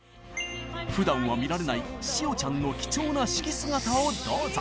ふだんは見られない塩ちゃんの貴重な指揮姿をどうぞ！